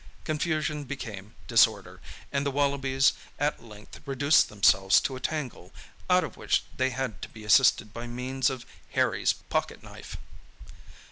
Confusion became disorder, and the wallabies at length reduced themselves to a tangle, out of which they had to be assisted by means of Harry's pocket knife.